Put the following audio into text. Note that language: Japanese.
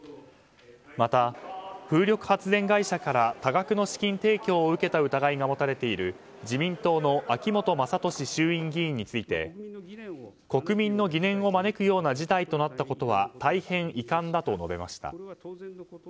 また、風力発電会社から多額の資金提供を受けた疑いが持たれている自民党の秋本真利衆院議員について国民の疑念を招くような事態となったことは大変遺憾だと述べました。